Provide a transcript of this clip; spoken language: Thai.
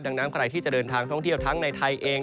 ดังนั้นใครที่จะเดินทางท่องเที่ยวทั้งในไทยเอง